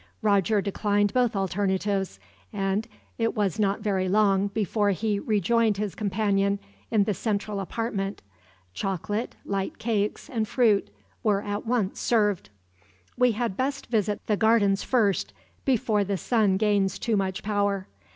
Roger declined both alternatives, and it was not very long before he rejoined his companion in the central apartment. Chocolate, light cakes, and fruit were at once served. "We had best visit the gardens first, before the sun gains too much power.